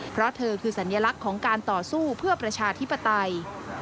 เพราะเธอคือสัญลักษณ์ของการต่อสู้เพื่อประชาธิปไตย